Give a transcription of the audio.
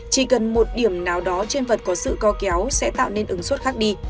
chỉ cần một điểm nào đó trên vật có sự co kéo sẽ tạo nên ứng suất khác đi